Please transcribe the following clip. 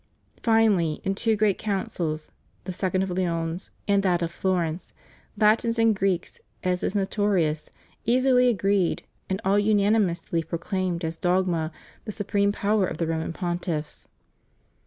Finally, in two great Councils, the second of Lyons and that of Florence, Latins and Greeks, as is notorious, easily agreed, and all unanimously pro claimed as dogma the supreme power of the Roman Pontiffs.